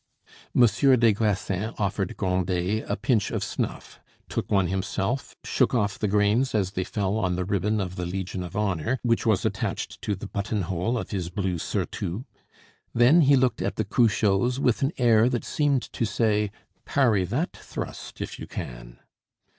Monsieur des Grassins offered Grandet a pinch of snuff, took one himself, shook off the grains as they fell on the ribbon of the Legion of honor which was attached to the button hole of his blue surtout; then he looked at the Cruchots with an air that seemed to say, "Parry that thrust if you can!"